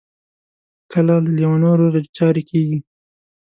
کله له لېونیو روغې چارې کیږي.